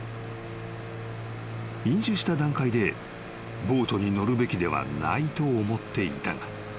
［飲酒した段階でボートに乗るべきではないと思っていたが］